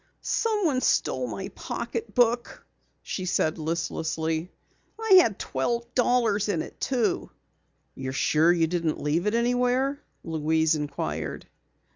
"Someone stole my pocketbook," she said listlessly. "I had twelve dollars in it, too." "You're sure you didn't leave it anywhere?" Louise inquired.